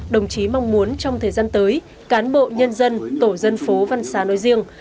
đồng chí mong muốn trong thời gian tới cán bộ nhân dân tổ dân phố văn xá nói riêng